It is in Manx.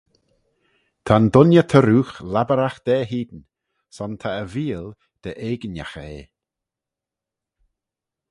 Ta'n dooinney tarroogh laboragh da hene, son ta e veeal dy eGinaghey eh.